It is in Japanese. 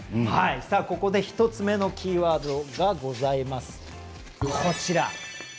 ここで１つ目のキーワードがございます、こちら。